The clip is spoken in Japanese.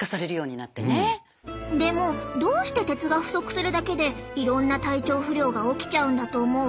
でもどうして鉄が不足するだけでいろんな体調不良が起きちゃうんだと思う？